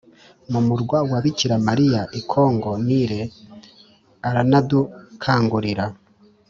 mumurwa wa bikira mariya i kongo nile aranadukangurira